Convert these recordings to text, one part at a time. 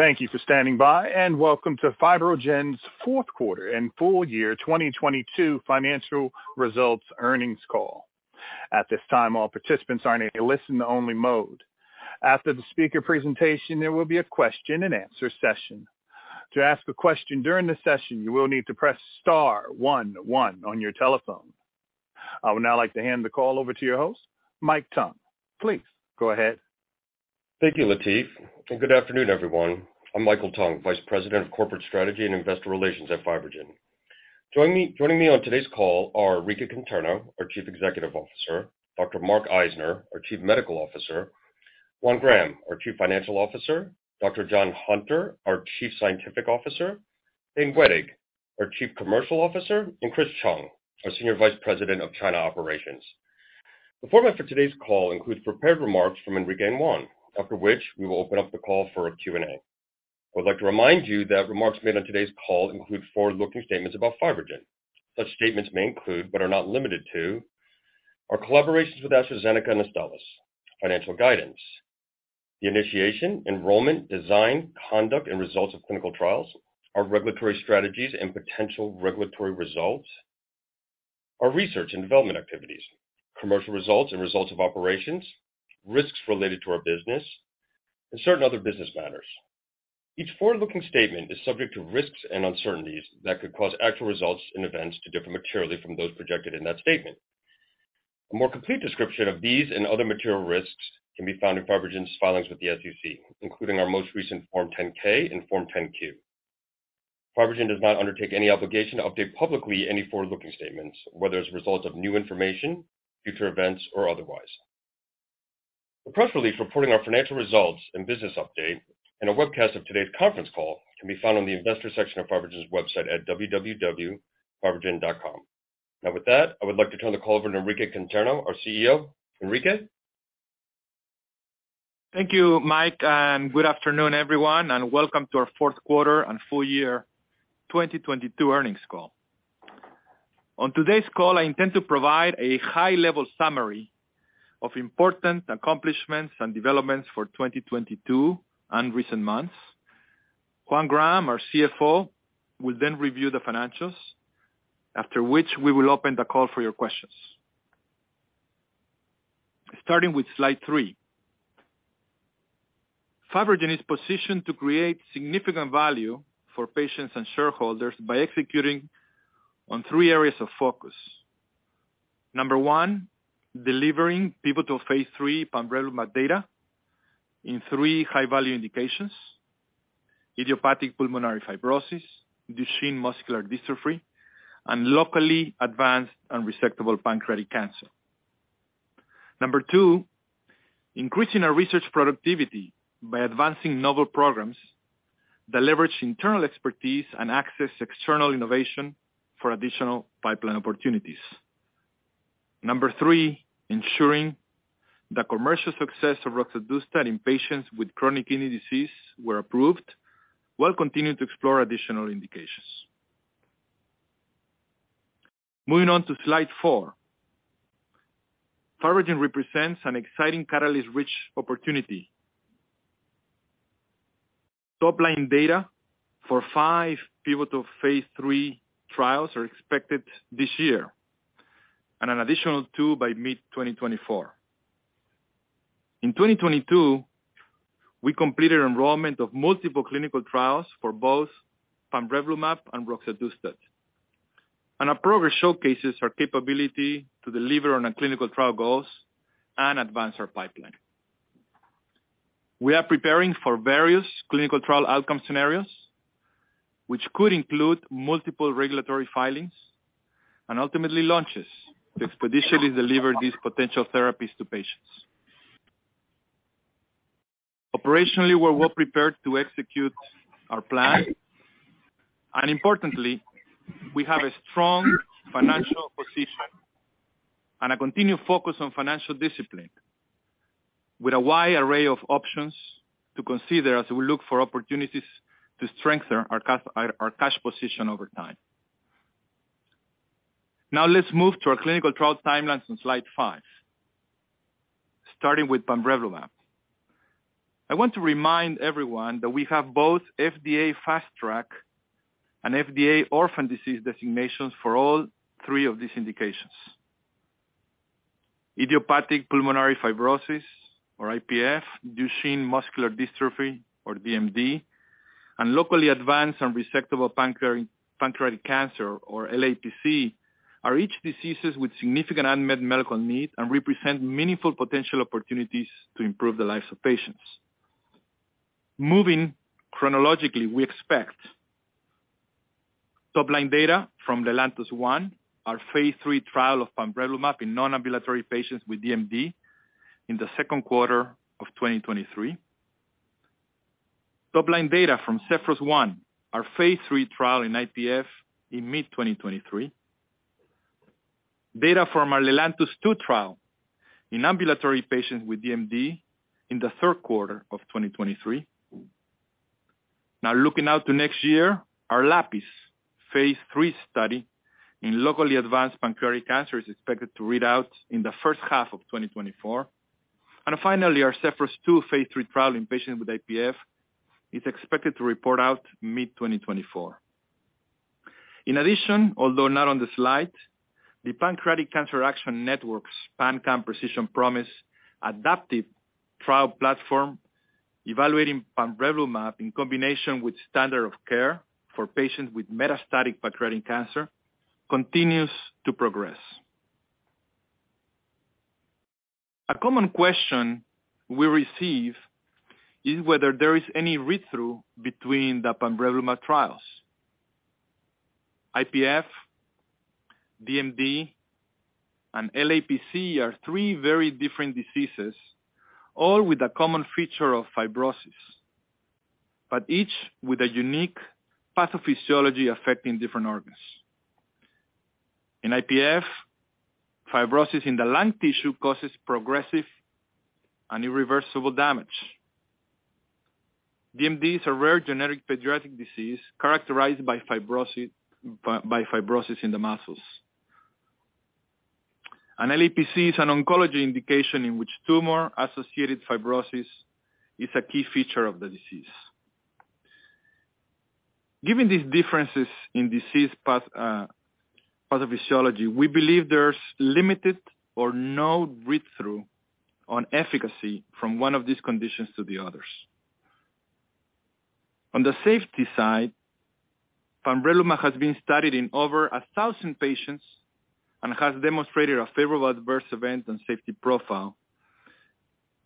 Thank you for standing by. Welcome to FibroGen's fourth quarter and full year 2022 financial results earnings call. At this time, all participants are in a listen only mode. After the speaker presentation, there will be a question and answer session. To ask a question during the session, you will need to press star one one on your telephone. I would now like to hand the call over to your host, Mike Tung. Please go ahead. Thank you, Latif, good afternoon, everyone. I'm Michael Tung, Vice President of Corporate Strategy and Investor Relations at FibroGen. Joining me on today's call are Enrique Conterno, our Chief Executive Officer, Dr. Mark Eisner, our Chief Medical Officer, Juan Graham, our Chief Financial Officer, Dr. John Hunter, our Chief Scientific Officer, Thane Wettig, our Chief Commercial Officer, and Chris Chung, our Senior Vice President of China Operations. The format for today's call includes prepared remarks from Enrique and Juan, after which we will open up the call for Q&A. I would like to remind you that remarks made on today's call include forward-looking statements about FibroGen. Such statements may include, but are not limited to, our collaborations with AstraZeneca and Astellas, financial guidance, the initiation, enrollment, design, conduct, and results of clinical trials, our regulatory strategies and potential regulatory results, our research and development activities, commercial results and results of operations, risks related to our business, and certain other business matters. Each forward-looking statement is subject to risks and uncertainties that could cause actual results and events to differ materially from those projected in that statement. A more complete description of these and other material risks can be found in FibroGen's filings with the SEC, including our most recent Form 10-K and Form 10-Q. FibroGen does not undertake any obligation to update publicly any forward-looking statements, whether as a result of new information, future events or otherwise. The press release reporting our financial results and business update and a webcast of today's conference call can be found on the investor section of FibroGen's website at www.fibrogen.com. With that, I would like to turn the call over to Enrique Conterno, our CEO. Enrique. Thank you, Mike, good afternoon, everyone, and welcome to our fourth quarter and full year 2022 earnings call. On today's call, I intend to provide a high-level summary of important accomplishments and developments for 2022 and recent months. Juan Graham, our CFO, will review the financials, after which we will open the call for your questions. Starting with slide three. FibroGen is positioned to create significant value for patients and shareholders by executing on three areas of focus. Number one, delivering pivotal phase III pamrevlumab data in three high-value indications: idiopathic pulmonary fibrosis, Duchenne muscular dystrophy, and locally advanced unresectable pancreatic cancer. Number two, increasing our research productivity by advancing novel programs that leverage internal expertise and access external innovation for additional pipeline opportunities. Number three, ensuring the commercial success of roxadustat in patients with chronic kidney disease where approved, while continuing to explore additional indications. Moving on to slide four. FibroGen represents an exciting catalyst-rich opportunity. Topline data for 5 pivotal phase III trials are expected this year, and an additional two by mid-2024. In 2022, we completed enrollment of multiple clinical trials for both pamrevlumab and roxadustat. Our progress showcases our capaBoehringer Ingelheimlity to deliver on our clinical trial goals and advance our pipeline. We are preparing for various clinical trial outcome scenarios, which could include multiple regulatory filings and ultimately launches to expeditionally deliver these potential therapies to patients. Operationally, we're well-prepared to execute our plan. Importantly, we have a strong financial position and a continued focus on financial discipline with a wide array of options to consider as we look for opportunities to strengthen our cash position over time. Let's move to our clinical trial timelines on slide 5, starting with pamrevlumab. I want to remind everyone that we have both FDA Fast Track and FDA Orphan Disease Designations for all 3 of these indications. idiopathic pulmonary fibrosis or IPF, Duchenne muscular dystrophy or DMD, and locally advanced unresectable pancreatic cancer or LAPC, are each diseases with significant unmet medical need and represent meaningful potential opportunities to improve the lives of patients. Moving chronologically, we expect top-line data from LELANTOS-1, our phase III trial of pamrevlumab in non-ambulatory patients with DMD in the second quarter of 2023. Top-line data from ZEPHYRUS-1, our phase III trial in IPF in mid-2023. Data from our LELANTOS-2 trial in ambulatory patients with DMD in the third quarter of 2023. Now, looking out to next year, our LAPIS phase III study in locally advanced pancreatic cancer is expected to read out in the first half of 2024. Finally, our ZEPHYRUS-2 phase III trial in patients with IPF is expected to report out mid-2024. In addition, although not on the slide, the Pancreatic Cancer Action Network's PanCAN Precision Promise adaptive trial platform, evaluating pamrevlumab in comBoehringer Ingelheimnation with standard of care for patients with metastatic pancreatic cancer continues to progress. A common question we receive is whether there is any read-through between the pamrevlumab trials. IPF, DMD, and LAPC are three very different diseases, all with a common feature of fibrosis, but each with a unique pathophysiology affecting different organs. In IPF, fibrosis in the lung tissue causes progressive and irreversible damage. DMD is a rare genetic pediatric disease characterized by fibrosis in the muscles. LAPC is an oncology indication in which tumor-associated fibrosis is a key feature of the disease. Given these differences in disease path, pathophysiology, we believe there's limited or no read-through on efficacy from one of these conditions to the others. On the safety side, pamrevlumab has been studied in over 1,000 patients and has demonstrated a favorable adverse event and safety profile,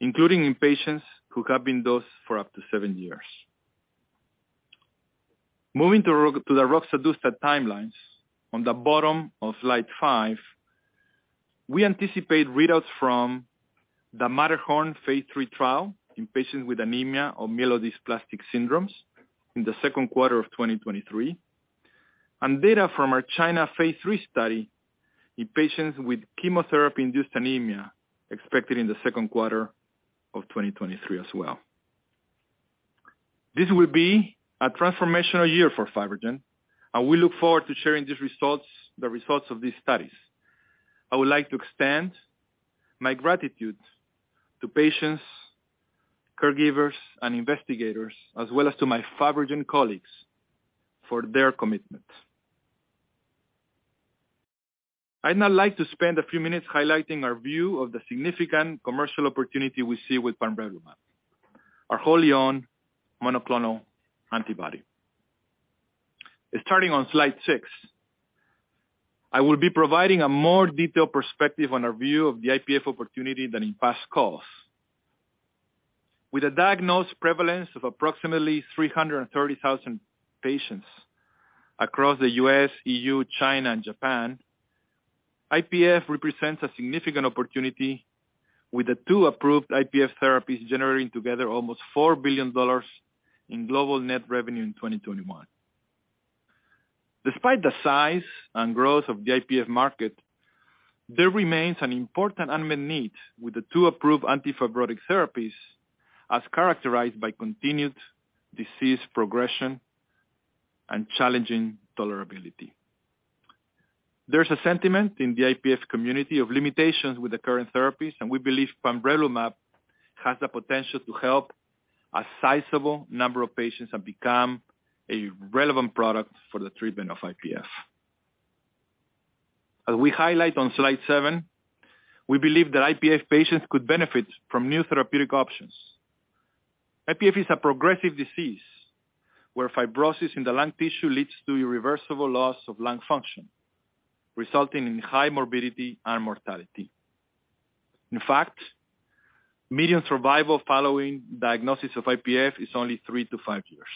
including in patients who have been dosed for up to seven years. Moving to the roxadustat timelines on the bottom of slide five, we anticipate readouts from the MATTERHORN phase III trial in patients with anemia or myelodysplastic syndromes in the second quarter of 2023, and data from our China phase III study in patients with chemotherapy-induced anemia expected in the second quarter of 2023 as well. This will be a transformational year for FibroGen, and we look forward to sharing these results, the results of these studies. I would like to extend my gratitude to patients, caregivers, and investigators, as well as to my FibroGen colleagues for their commitment. I'd now like to spend a few minutes highlighting our view of the significant commercial opportunity we see with pamrevlumab, our wholly-owned monoclonal antibody. Starting on slide six, I will be providing a more detailed perspective on our view of the IPF opportunity than in past calls. With a diagnosed prevalence of approximately 330,000 patients across the US, EU, China, and Japan, IPF represents a significant opportunity with the two approved IPF therapies generating together almost $4 Boehringer Ingelheimllion in global net revenue in 2021. Despite the size and growth of the IPF market, there remains an important unmet need with the two approved antifibrotic therapies, as characterized by continued disease progression and challenging toleraBoehringer Ingelheimlity. There's a sentiment in the IPF community of limitations with the current therapies, and we believe pamrevlumab has the potential to help a sizable number of patients and become a relevant product for the treatment of IPF. As we highlight on slide seven, we believe that IPF patients could benefit from new therapeutic options. IPF is a progressive disease, where fibrosis in the lung tissue leads to irreversible loss of lung function, resulting in high morBoehringer Ingelheimdity and mortality. In fact, median survival following diagnosis of IPF is only three to five years.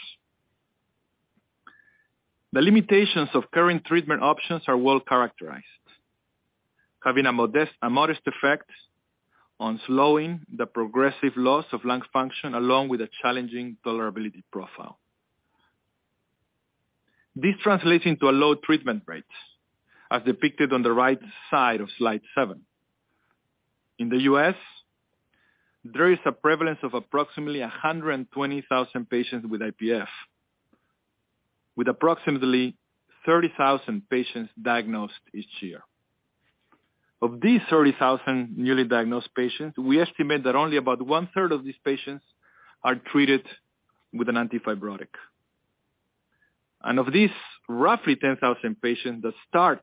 The limitations of current treatment options are well-characterized, having a modest effect on slowing the progressive loss of lung function along with a challenging toleraBoehringer Ingelheimlity profile. This translates into low treatment rates, as depicted on the right side of slide seven. In the US, there is a prevalence of approximately 120,000 patients with IPF, with approximately 30,000 patients diagnosed each year. Of these 30,000 newly diagnosed patients, we estimate that only about one-third of these patients are treated with an antifibrotic. Of these, roughly 10,000 patients that start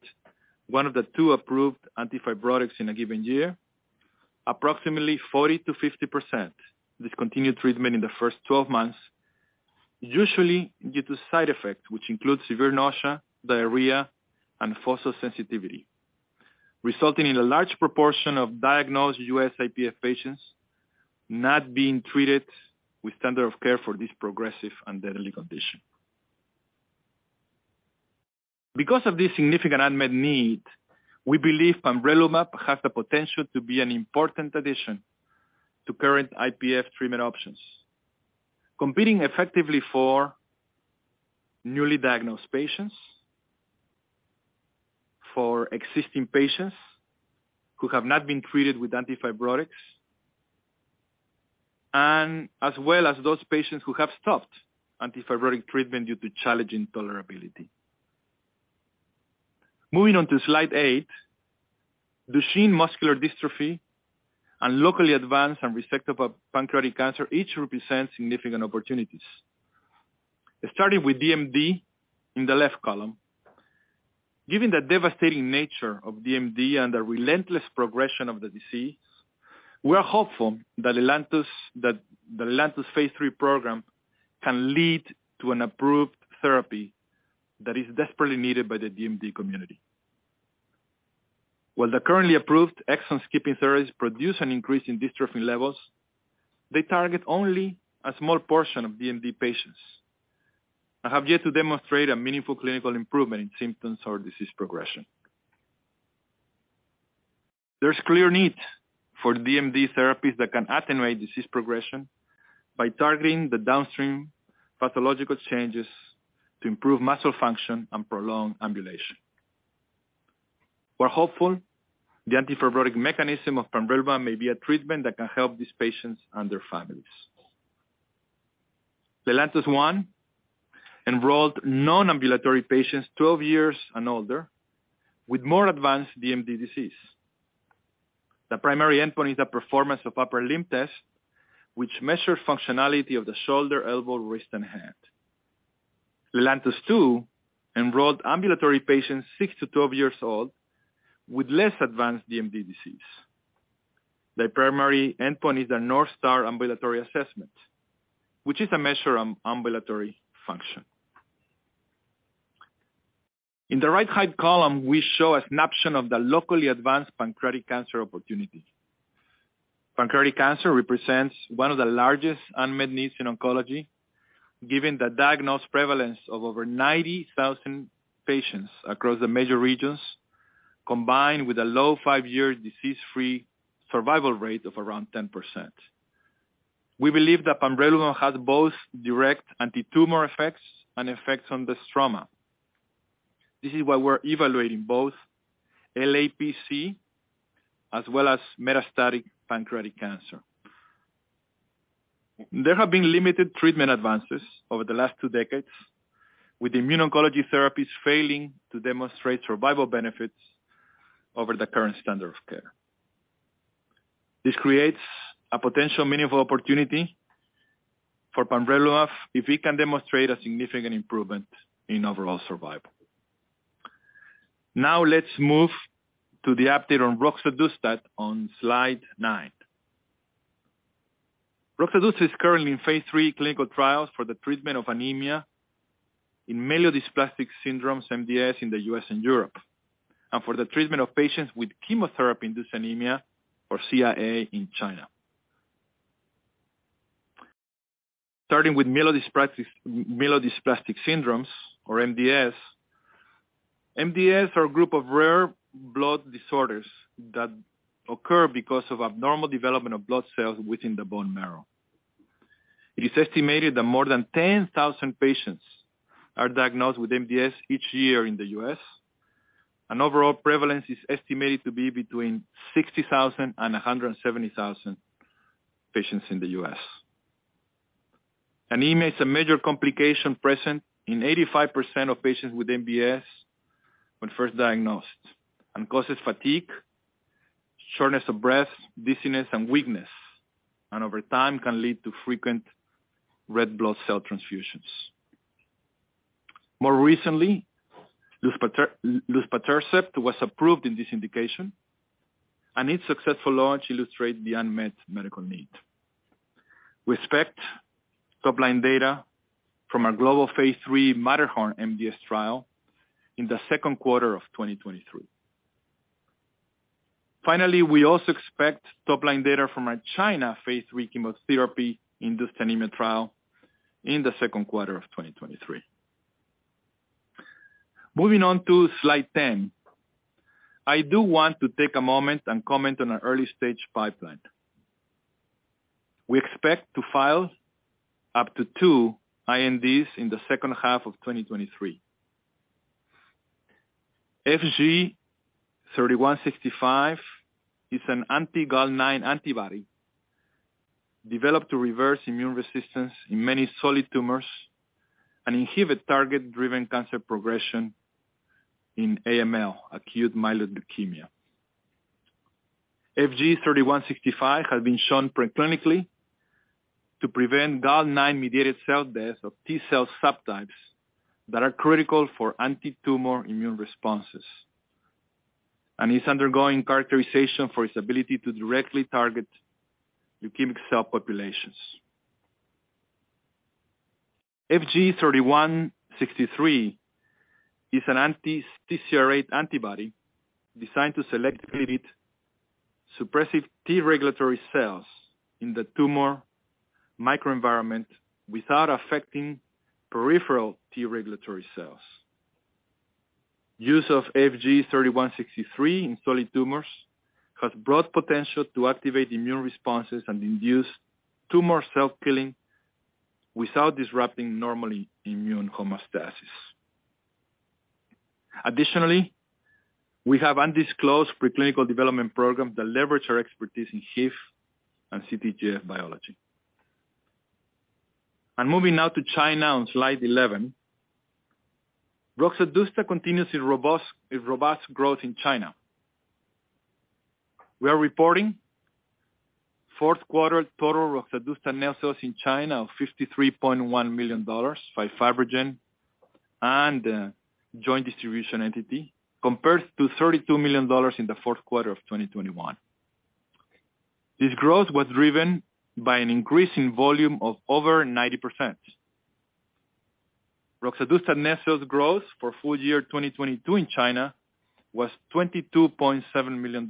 one of the two approved antifibrotics in a given year, approximately 40%-50% discontinue treatment in the first 12 months, usually due to side effects, which include severe nausea, diarrhea, and photosensitivity, resulting in a large proportion of diagnosed US. IPF patients not being treated with standard of care for this progressive and deadly condition. This significant unmet need, we believe pamrevlumab has the potential to be an important addition to current IPF treatment options, competing effectively for newly diagnosed patients, for existing patients who have not been treated with antifibrotics, and as well as those patients who have stopped antifibrotic treatment due to challenging toleraBoehringer Ingelheimlity. Moving on to slide eight, Duchenne muscular dystrophy and locally advanced unresectable pancreatic cancer each represent significant opportunities. Starting with DMD in the left column. Given the devastating nature of DMD and the relentless progression of the disease, we are hopeful that the LELANTOS phase III program can lead to an approved therapy that is desperately needed by the DMD community. While the currently approved exon-skipping therapies produce an increase in dystrophin levels, they target only a small portion of DMD patients, and have yet to demonstrate a meaningful clinical improvement in symptoms or disease progression. There's clear need for DMD therapies that can attenuate disease progression by targeting the downstream pathological changes to improve muscle function and prolong ambulation. We're hopeful the antifibrotic mechanism of pamrevlumab may be a treatment that can help these patients and their families. LELANTOS-1 enrolled non-ambulatory patients 12 years and older with more advanced DMD disease. The primary endpoint is the Performance of Upper Limb, which measures functionality of the shoulder, elbow, wrist, and hand. LELANTOS-2 enrolled ambulatory patients 6 to 12 years old with less advanced DMD disease. The primary endpoint is the NorthStar Ambulatory Assessment, which is a measure of ambulatory function. In the right height column, we show a snapshot of the locally advanced pancreatic cancer opportunity. Pancreatic cancer represents one of the largest unmet needs in oncology, given the diagnosed prevalence of over 90,000 patients across the major regions, comBoehringer Ingelheimned with a low 5-year disease-free survival rate of around 10%. We believe that pamrevlumab has both direct anti-tumor effects and effects on the stroma. This is why we're evaluating both LAPC as well as metastatic pancreatic cancer. There have been limited treatment advances over the last 2 decades, with immuno-oncology therapies failing to demonstrate survival benefits over the current standard of care. This creates a potential meaningful opportunity for pamrevlumab if we can demonstrate a significant improvement in overall survival. Now let's move to the update on roxadustat on slide nine. Roxadustat is currently in phase III clinical trials for the treatment of anemia in myelodysplastic syndromes, MDS, in the US, and Europe, and for the treatment of patients with chemotherapy-induced anemia, or CIA, in China. Starting with myelodysplastic syndromes, or MDS. MDS are a group of rare blood disorders that occur because of abnormal development of blood cells within the bone marrow. It is estimated that more than 10,000 patients are diagnosed with MDS each year in the US, and overall prevalence is estimated to be between 60,000 and 170,000 patients in the US. Anemia is a major complication present in 85% of patients with MDS when first diagnosed, causes fatigue, shortness of breath, dizziness, and weakness. Over time can lead to frequent red blood cell transfusions. More recently, Luspatercept was approved in this indication, its successful launch illustrates the unmet medical need. We expect top-line data from our global phase III MATTERHORN MDS trial in 2Q 2023. We also expect top-line data from our China phase III chemotherapy-induced anemia trial in 2Q 2023. Moving on to slide 10. I do want to take a moment and comment on our early-stage pipeline. We expect to file up to 2 INDs in 2H 2023. FG-3165 is an anti-GAL9 antibody developed to reverse immune resistance in many solid tumors and inhiBoehringer Ingelheimt target-driven cancer progression in AML, acute myeloid leukemia. FG-3165 has been shown preclinically to prevent GAL9-mediated cell death of T-cell subtypes that are critical for anti-tumor immune responses, and is undergoing characterization for its aBoehringer Ingelheimlity to directly target leukemic cell populations. FG-3163 is an anti-CCR8 antibody designed to selectively suppressive T regulatory cells in the tumor microenvironment without affecting peripheral T regulatory cells. Use of FG-3163 in solid tumors has broad potential to activate immune responses and induce tumor cell killing without disrupting normally immune homeostasis. Additionally, we have undisclosed preclinical development programs that leverage our expertise in HIF and CTGF Boehringer Ingelheimology. Moving now to China on slide 11, roxadustat continues its robust growth in China. We are reporting fourth quarter total Roxadustat net sales in China of $53.1 million by FibroGen and joint distribution entity, compared to $32 million in the fourth quarter of 2021. This growth was driven by an increase in volume of over 90%. Roxadustat net sales growth for full year 2022 in China was $22.7 million,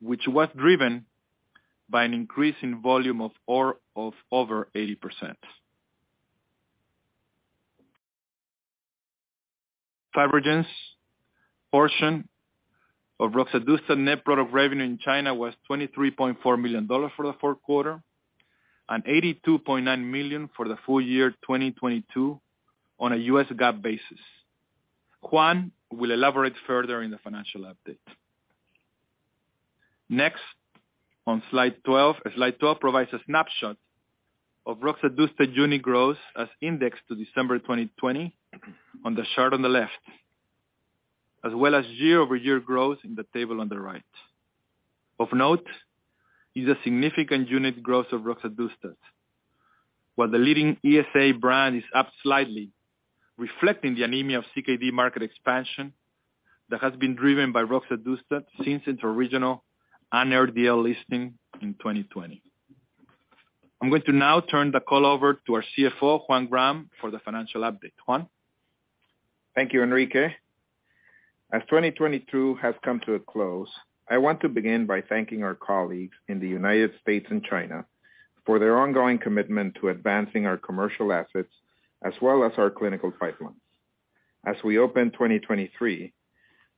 which was driven by an increase in volume of over 80%. FibroGen's portion of Roxadustat net product revenue in China was $23.4 million for the fourth quarter and $82.9 million for the full year 2022 on a US GAAP basis. Juan will elaborate further in the financial update. Next on slide 12. Slide 12 provides a snapshot of Roxadustat unit growth as indexed to December 2020 on the chart on the left, as well as year-over-year growth in the table on the right. Of note is a significant unit growth of Roxadustat, while the leading ESA brand is up slightly, reflecting the anemia of CKD market expansion that has been driven by Roxadustat since its original NRDL listing in 2020. I'm going to now turn the call over to our CFO, Juan Graham, for the financial update. Juan? Thank you, Enrique. As 2022 has come to a close, I want to begin by thanking our colleagues in the United States and China for their ongoing commitment to advancing our commercial assets as well as our clinical pipelines. As we open 2023,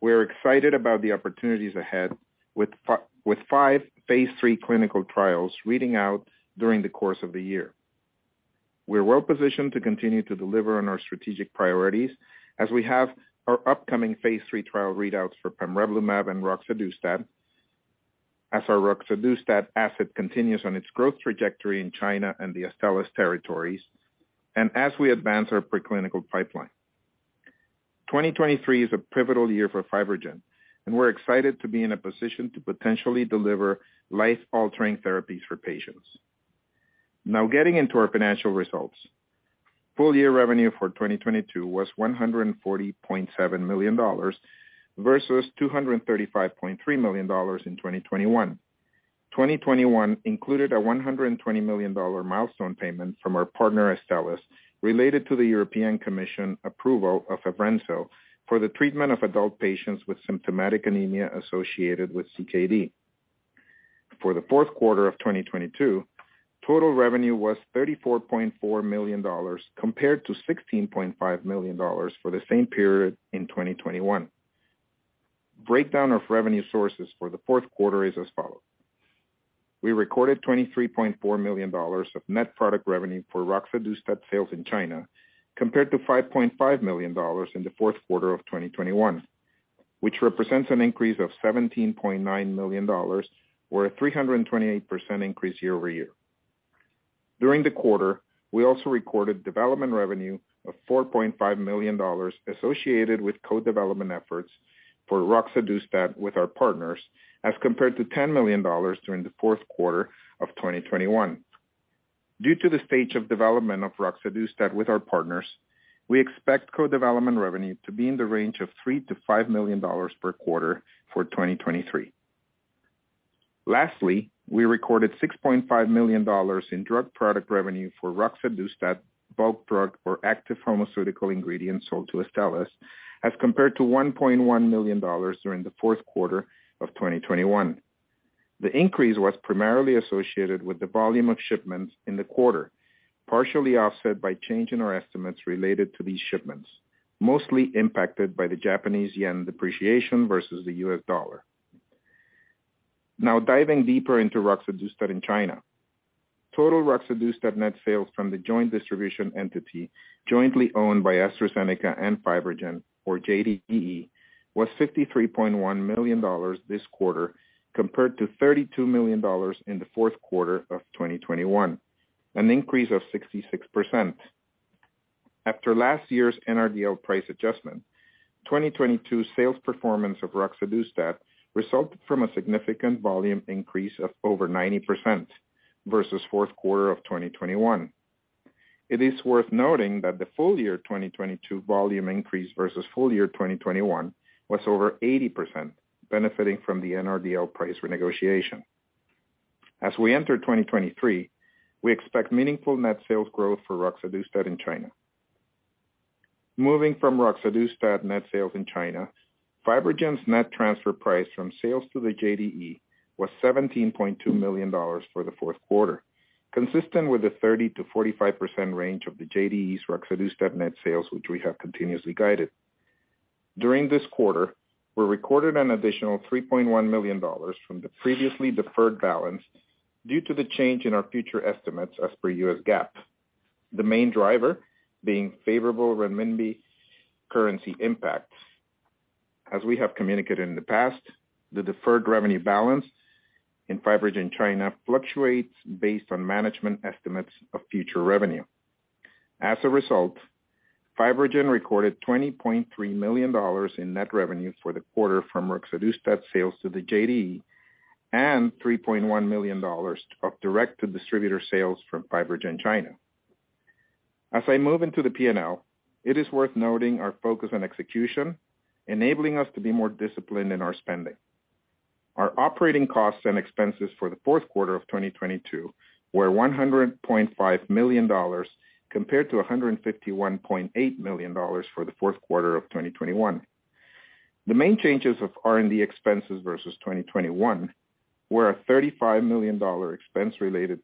we are excited about the opportunities ahead with 5 phase III clinical trials reading out during the course of the year. We're well-positioned to continue to deliver on our strategic priorities as we have our upcoming phase III trial readouts for Pamrevlumab and Roxadustat. As our Roxadustat asset continues on its growth trajectory in China and the Astellas territories, and as we advance our preclinical pipeline. 2023 is a pivotal year for FibroGen. We're excited to be in a position to potentially deliver life-altering therapies for patients. Now getting into our financial results. Full year revenue for 2022 was $140.7 million versus $235.3 million in 2021. 2021 included a $120 million milestone payment from our partner Astellas, related to the European Commission approval of roxadustat for the treatment of adult patients with symptomatic anemia associated with CKD. For the fourth quarter of 2022, total revenue was $34.4 million compared to $16.5 million for the same period in 2021. Breakdown of revenue sources for the fourth quarter is as follows: We recorded $23.4 million of net product revenue for roxadustat sales in China, compared to $5.5 million in the fourth quarter of 2021, which represents an increase of $17.9 million or a 328% increase year-over-year. During the quarter, we also recorded development revenue of $4.5 million associated with co-development efforts for roxadustat with our partners, as compared to $10 million during the fourth quarter of 2021. Due to the stage of development of roxadustat with our partners, we expect co-development revenue to be in the range of $3 million-$5 million per quarter for 2023. Lastly, we recorded $6.5 million in drug product revenue for roxadustat bulk drug or active pharmaceutical ingredients sold to Astellas, as compared to $1.1 million during the fourth quarter of 2021. The increase was primarily associated with the volume of shipments in the quarter, partially offset by change in our estimates related to these shipments, mostly impacted by the Japanese yen depreciation versus the US dollar. Now diving deeper into roxadustat in China. Total roxadustat net sales from the joint distribution entity jointly owned by AstraZeneca and FibroGen, or JDE, was $63.1 million this quarter, compared to $32 million in the fourth quarter of 2021, an increase of 66%. After last year's NRDL price adjustment, 2022 sales performance of roxadustat resulted from a significant volume increase of over 90% versus fourth quarter of 2021. It is worth noting that the full year 2022 volume increase versus full year 2021 was over 80%, benefiting from the NRDL price renegotiation. As we enter 2023, we expect meaningful net sales growth for Roxadustat in China. Moving from Roxadustat net sales in China, Kyntra Boehringer Ingelheimo's net transfer price from sales to the JDE was $17.2 million for the fourth quarter, consistent with the 30%-45% range of the JDE's Roxadustat net sales, which we have continuously guided. During this quarter, we recorded an additional $3.1 million from the previously deferred balance. Due to the change in our future estimates as per US. GAAP, the main driver being favorable renminBoehringer Ingelheim currency impacts. As we have communicated in the past, the deferred revenue balance in Kyntra Boehringer Ingelheimo China fluctuates based on management estimates of future revenue. FibroGen recorded $20.3 million in net revenue for the quarter from roxadustat sales to the JDE, and $3.1 million of direct-to-distributor sales from FibroGen China. I move into the P&L, it is worth noting our focus on execution, enabling us to be more disciplined in our spending. Our operating costs and expenses for the fourth quarter of 2022 were $100.5 million compared to $151.8 million for the fourth quarter of 2021. The main changes of R&D expenses versus 2021 were a $35 million expense related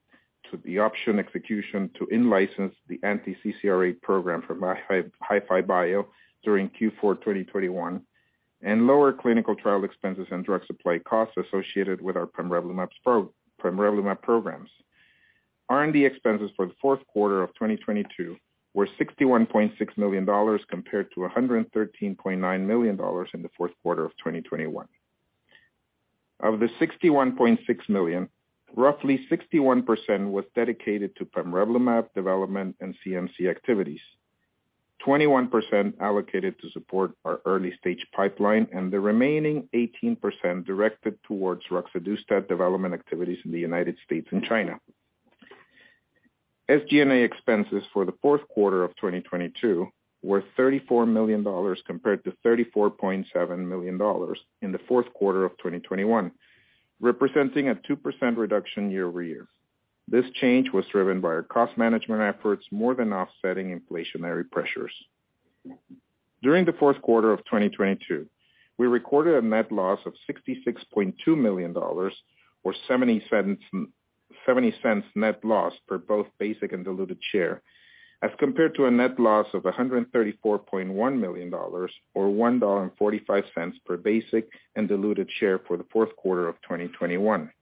to the option execution to in-license the anti-CCR8 program from HiFiBoehringer IngelheimO during Q4 2021, and lower clinical trial expenses and drug supply costs associated with our pamrevlumab programs. R&D expenses for the fourth quarter of 2022 were $61.6 million compared to $113.9 million in the fourth quarter of 2021. Of the $61.6 million, roughly 61% was dedicated to pamrevlumab development and CMC activities. 21% allocated to support our early-stage pipeline, and the remaining 18% directed towards roxadustat development activities in the United States and China. SG&A expenses for the fourth quarter of 2022 were $34 million compared to $34.7 million in the fourth quarter of 2021, representing a 2% reduction year-over-year. This change was driven by our cost management efforts more than offsetting inflationary pressures. During the fourth quarter of 2022, we recorded a net loss of $66.2 million, or $0.70 net loss per both basic and diluted share, as compared to a net loss of $134.1 million or $1.45 per basic and diluted share for the fourth quarter of 2021.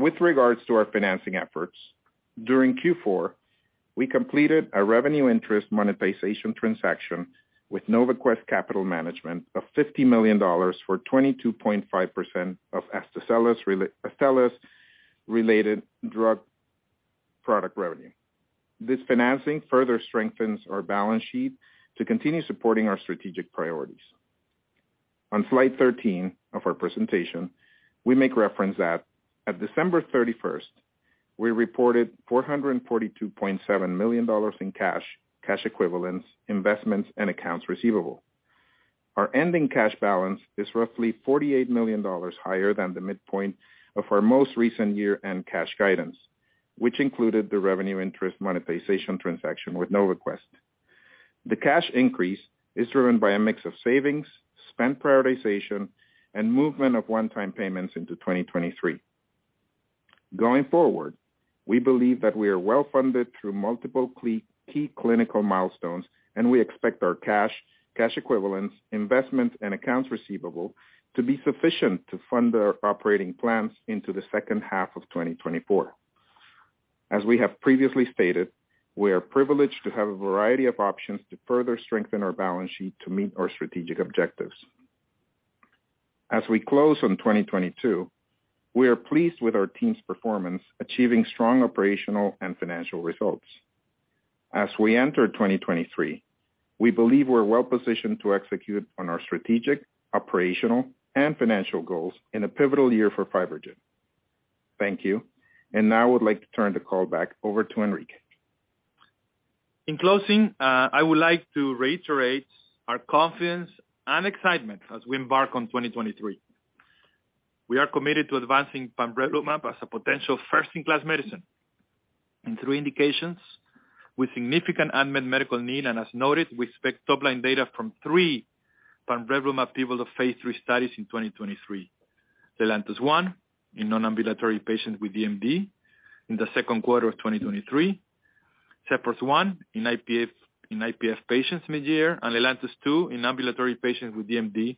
With regards to our financing efforts, during Q4, we completed a revenue interest monetization transaction with NovaQuest Capital Management of $50 million for 22.5% of Astellas-related drug product revenue. This financing further strengthens our balance sheet to continue supporting our strategic priorities. On slide 13 of our presentation, we make reference that at December 31st, we reported $442.7 million in cash equivalents, investments, and accounts receivable. Our ending cash balance is roughly $48 million higher than the midpoint of our most recent year-end cash guidance, which included the revenue interest monetization transaction with NovaQuest. The cash increase is driven by a mix of savings, spend prioritization, and movement of one-time payments into 2023. Going forward, we believe that we are well-funded through multiple key clinical milestones, and we expect our cash equivalents, investments, and accounts receivable to be sufficient to fund our operating plans into the second half of 2024. As we have previously stated, we are privileged to have a variety of options to further strengthen our balance sheet to meet our strategic objectives. As we close on 2022, we are pleased with our team's performance, achieving strong operational and financial results. As we enter 2023, we believe we're well-positioned to execute on our strategic, operational, and financial goals in a pivotal year for FibroGen. Thank you. Now I would like to turn the call back over to Enrique. In closing, I would like to reiterate our confidence and excitement as we embark on 2023. We are committed to advancing pamrevlumab as a potential first-in-class medicine in three indications with significant unmet medical need, and as noted, we expect top-line data from three pamrevlumab pivotal phase III studies in 2023. LELANTOS-1 in non-ambulatory patients with DMD in the second quarter of 2023. ZEPHYRUS-1 in IPF patients mid-year. LELANTOS-2 in ambulatory patients with DMD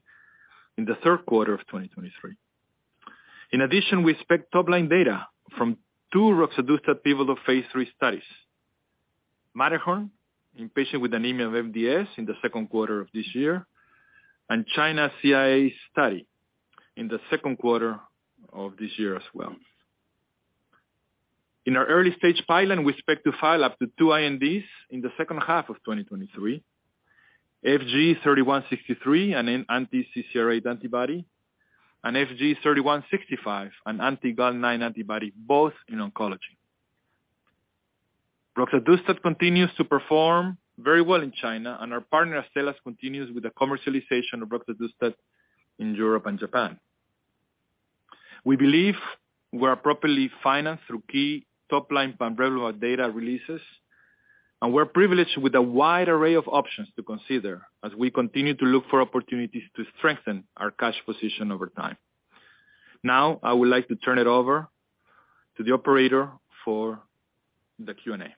in the third quarter of 2023. In addition, we expect top-line data from two roxadustat pivotal phase III studies. MATTERHORN in patients with anemia MDS in the second quarter of this year, and China CIA study in the second quarter of this year as well. In our early-stage pipeline, we expect to file up to 2 INDs in the second half of 2023. FG-3163, an anti-CCR8 antibody, and FG-3165, an anti-GAL9 antibody, both in oncology. roxadustat continues to perform very well in China, and our partner, Astellas, continues with the commercialization of roxadustat in Europe and Japan. We believe we're appropriately financed through key top-line pamrevlumab data releases, and we're privileged with a wide array of options to consider as we continue to look for opportunities to strengthen our cash position over time. I would like to turn it over to the operator for the Q&A.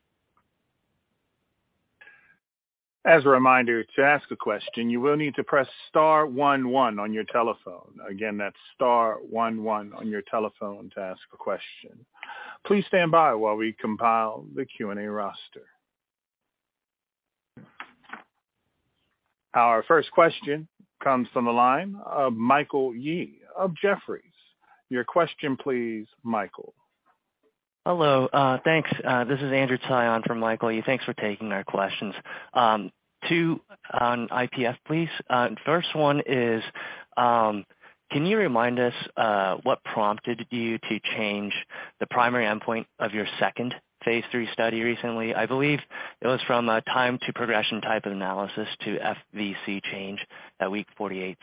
As a reminder, to ask a question, you will need to press star one one on your telephone. That's star one one on your telephone to ask a question. Please stand by while we compile the Q&A roster. Our first question comes from the line of Michael Yee of Jefferies. Your question please, Michael. Hello. Thanks. This is Andrew Tsai for Michael Yee of Jefferies. Thanks for taking our questions. Two on IPF, please. First one is, can you remind us, what prompted you to change the primary endpoint of your second phase III study recently? I believe it was from a time to progression type analysis to FVC change at week 48.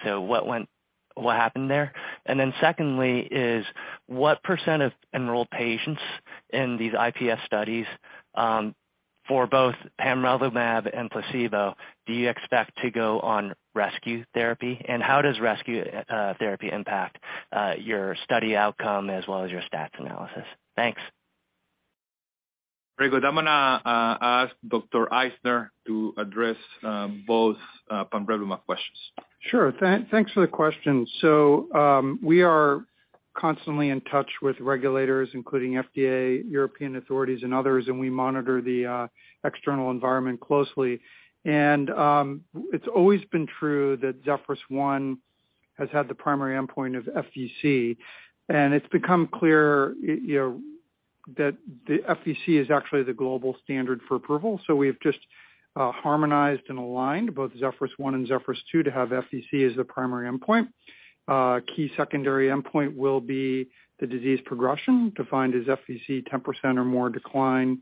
What happened there? Secondly is, what % of enrolled patients in these IPF studies, for both pamrevlumab and placebo do you expect to go on rescue therapy? And how does rescue therapy impact your study outcome as well as your stats analysis? Thanks. Very good. I'm gonna ask Dr. Eisner to address both pamrevlumab questions. Sure. Thanks for the question. We are constantly in touch with regulators, including FDA, European authorities, and others, and we monitor the external environment closely. It's always been true that ZEPHYRUS-1 has had the primary endpoint of FVC. It's become clear, you know, that the FVC is actually the global standard for approval, so we've just harmonized and aligned both ZEPHYRUS-1 and ZEPHYRUS-2 to have FVC as the primary endpoint. Key secondary endpoint will be the disease progression defined as FVC 10% or more decline,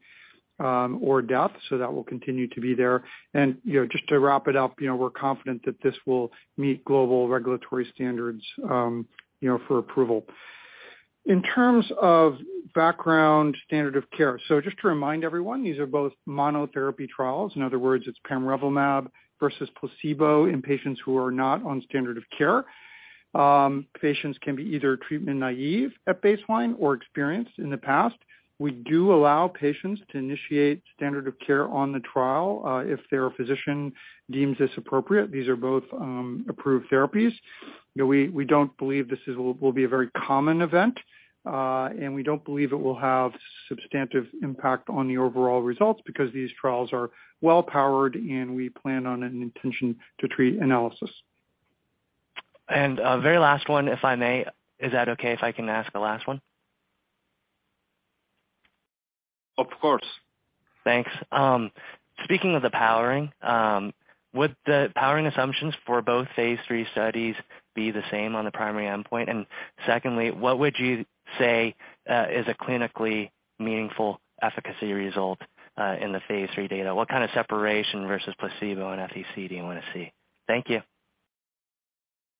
or death, that will continue to be there. You know, just to wrap it up, you know, we're confident that this will meet global regulatory standards, you know, for approval. In terms of background standard of care, just to remind everyone, these are both monotherapy trials. In other words, it's pamrevlumab versus placebo in patients who are not on standard of care. Patients can be either treatment naive at baseline or experienced in the past. We do allow patients to initiate standard of care on the trial if their physician deems this appropriate. These are both approved therapies. You know, we don't believe this will be a very common event, and we don't believe it will have substantive impact on the overall results because these trials are well powered, and we plan on an intention to treat analysis. A very last one, if I may. Is that okay if I can ask a last one? Of course. Thanks. speaking of the powering, would the powering assumptions for both phase III studies be the same on the primary endpoint? Secondly, what would you say, is a clinically meaningful efficacy result, in the phase III data? What kind of separation versus placebo and FVC do you wanna see? Thank you.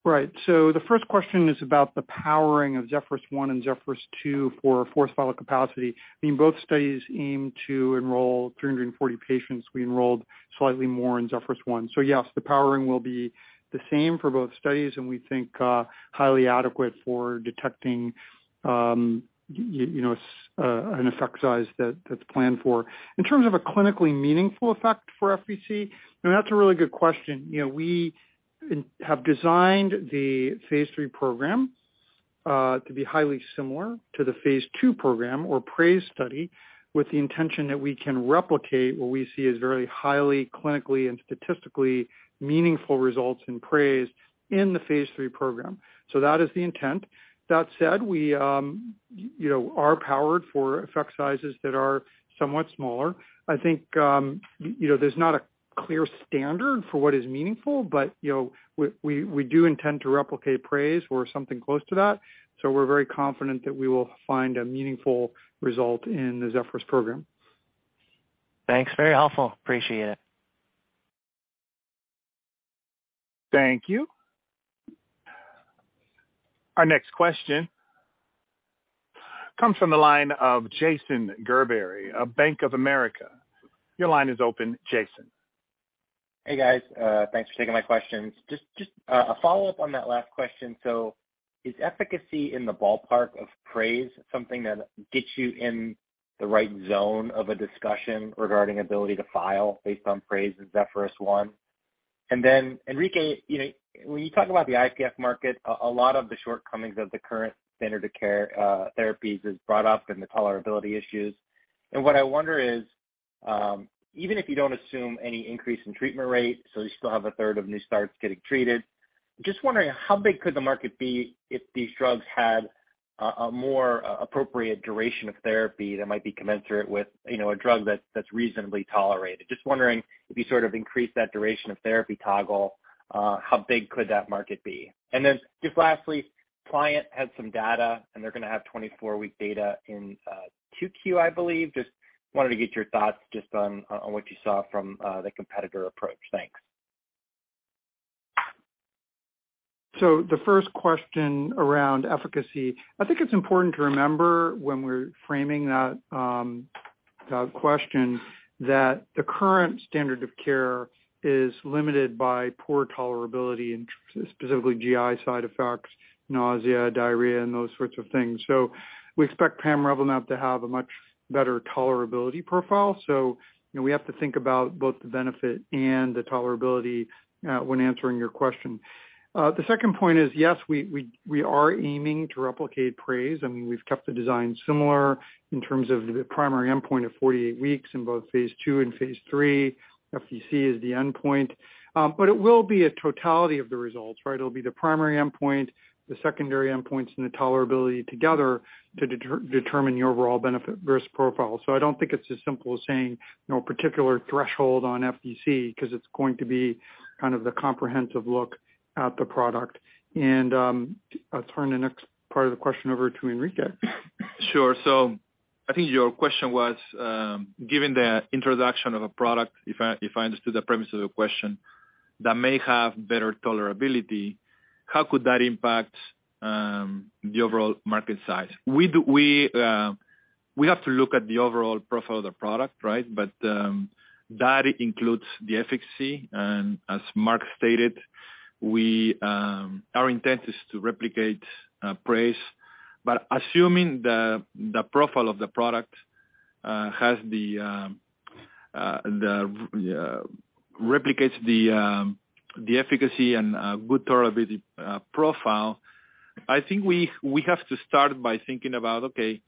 Right. The first question is about the powering of ZEPHYRUS-1 and ZEPHYRUS-2 for forced vital capacity. I mean, both studies aim to enroll 340 patients. We enrolled slightly more in ZEPHYRUS-1. Yes, the powering will be the same for both studies, and we think, highly adequate for detecting, you know, an effect size that's planned for. In terms of a clinically meaningful effect for FVC, you know, that's a really good question. You know, we have designed the phase III program to be highly similar to the phase II program or PRAISE study with the intention that we can replicate what we see as very highly clinically and statistically meaningful results in PRAISE in the phase III program. That is the intent. That said, we, you know, are powered for effect sizes that are somewhat smaller. I think, you know, there's not a clear standard for what is meaningful, but, you know, we do intend to replicate PRAISE or something close to that, so we're very confident that we will find a meaningful result in the ZEPHYRUS program. Thanks, very helpful. Appreciate it. Thank you. Our next question comes from the line of Jason Gerberry of Bank of America. Your line is open, Jason. Hey, guys. Thanks for taking my questions. Just a follow-up on that last question. Is efficacy in the ballpark of PRAISE something that gets you in the right zone of a discussion regarding aBoehringer Ingelheimlity to file based on PRAISE in ZEPHYRUS-1? Enrique, you know, when you talk about the IPF market, a lot of the shortcomings of the current standard of care therapies is brought up and the toleraBoehringer Ingelheimlity issues. What I wonder is, even if you don't assume any increase in treatment rate, so you still have a third of new starts getting treated, just wondering how Boehringer Ingelheimg could the market be if these drugs had a more appropriate duration of therapy that might be commensurate with, you know, a drug that's reasonably tolerated? Just wondering if you sort of increase that duration of therapy toggle, how Boehringer Ingelheimg could that market be? Just lastly, I-Mab has some data, and they're gonna have 24-week data in, 2Q, I believe. Just wanted to get your thoughts just on what you saw from the competitor approach. Thanks. The first question around efficacy, I think it's important to remember when we're framing that question that the current standard of care is limited by poor toleraBoehringer Ingelheimlity, and specifically GI side effects, nausea, diarrhea, and those sorts of things. We expect pamrevlumab to have a much better toleraBoehringer Ingelheimlity profile. You know, we have to think about both the benefit and the toleraBoehringer Ingelheimlity when answering your question. The second point is, yes, we are aiming to replicate PRAISE. I mean, we've kept the design similar in terms of the primary endpoint of 48 weeks in both phase II and phase III. FVC is the endpoint, but it will be a totality of the results, right? It'll be the primary endpoint, the secondary endpoints, and the toleraBoehringer Ingelheimlity together to determine the overall benefit risk profile. I don't think it's as simple as saying no particular threshold on FVC because it's going to be kind of the comprehensive look at the product. I'll turn the next part of the question over to Enrique. Sure. I think your question was, given the introduction of a product, if I understood the premise of the question, that may have better toleraBoehringer Ingelheimlity, how could that impact the overall market size? We have to look at the overall profile of the product, right? That includes the efficacy. As Mark stated, we, our intent is to replicate PRAISE. Assuming the profile of the product replicates the efficacy and good toleraBoehringer Ingelheimlity profile. I think we have to start by thinking about, okay,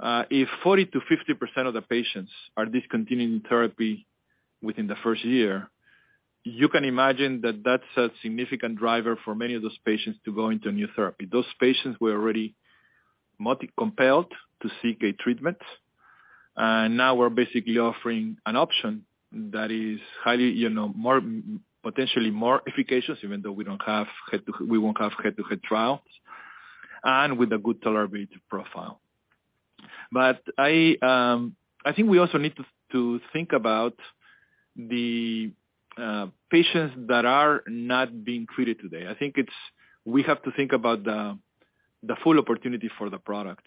if 40%-50% of the patients are discontinuing therapy within the first year, you can imagine that that's a significant driver for many of those patients to go into a new therapy. Those patients were already multi-compelled to seek a treatment, and now we're basically offering an option that is highly, you know, more, potentially more efficacious, even though we won't have head-to-head trials and with a good toleraBoehringer Ingelheimlity profile. I think we also need to think about the patients that are not being treated today. We have to think about the full opportunity for the product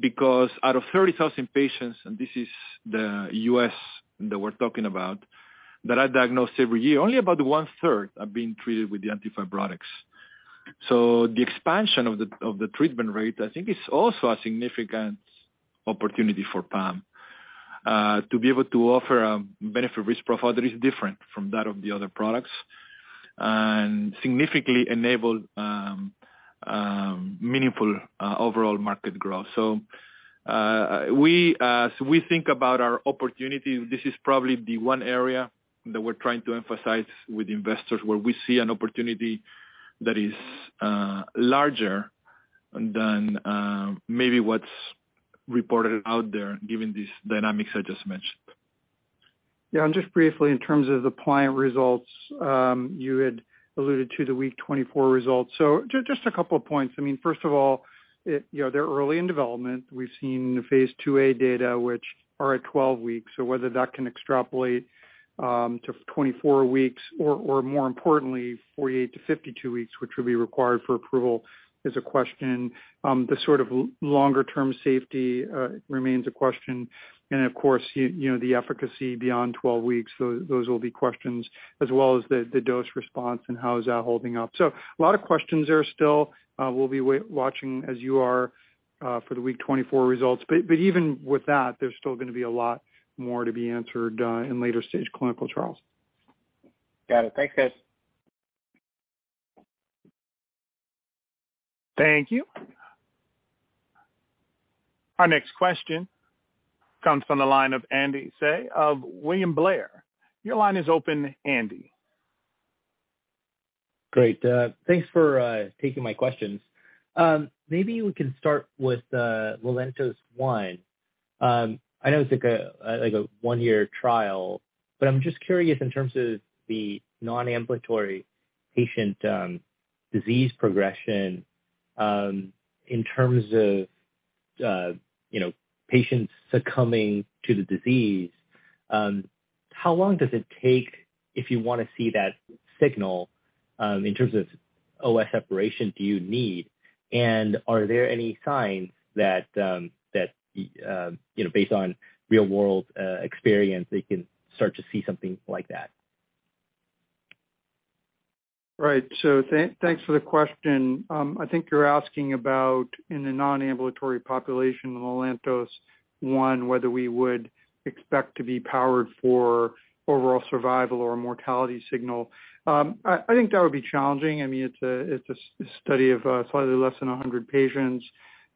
because out of 30,000 patients, and this is the US that we're talking about, that are diagnosed every year, only about one-third are being treated with the antifibrotics. The expansion of the treatment rate, I think, is also a significant opportunity for Pam to be able to offer a benefit risk profile that is different from that of the other products and significantly enable meaningful overall market growth. We, as we think about our opportunities, this is probably the one area that we're trying to emphasize with investors, where we see an opportunity that is larger than maybe what's reported out there, given these dynamics I just mentioned. Yeah. Just briefly in terms of the I-Mab results, you had alluded to the week 24 results. Just a couple of points. I mean, first of all, you know, they're early in development. We've seen the phase IIa data, which are at 12 weeks. Whether that can extrapolate to 24 weeks or, more importantly, 48-52 weeks, which will be required for approval, is a question. The sort of longer term safety remains a question. Of course, you know, the efficacy beyond 12 weeks. Those will be questions as well as the dose response and how is that holding up. A lot of questions there still. We'll be watching as you are for the week 24 results. Even with that, there's still gonna be a lot more to be answered in later stage clinical trials. Got it. Thanks, guys. Thank you. Our next question comes from the line of Andy Hsieh of William Blair. Your line is open, Andy. Great. Thanks for taking my questions. Maybe we can start with LELANTOS-1. I know it's like a 1-year trial, but I'm just curious in terms of the non-ambulatory patient, disease progression, in terms of, you know, patients succumBoehringer Ingelheimng to the disease, how long does it take if you wanna see that signal, in terms of OS separation do you need? Are there any signs that, you know, based on real world experience, they can start to see something like that? Right. Thanks for the question. I think you're asking about in the non-ambulatory population, LELANTOS-1, whether we would expect to be powered for overall survival or mortality signal. I think that would be challenging. I mean, it's a study of slightly less than 100 patients.